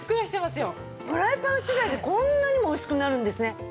フライパン次第でこんなにもおいしくなるんですね。